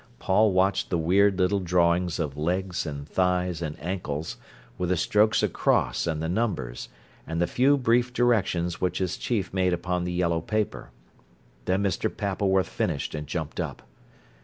Paul watched the weird little drawings of legs, and thighs, and ankles, with the strokes across and the numbers, and the few brief directions which his chief made upon the yellow paper. Then Mr. Pappleworth finished and jumped up.